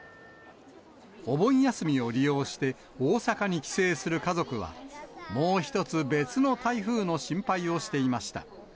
お盆休みを利用して、大阪に帰省する家族は、もう１つ、別の台風の心配をしていました。